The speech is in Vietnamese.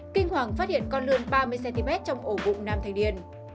kinh hoàng phát hiện con lươn ba mươi cm trong ổ bụng nam thanh niên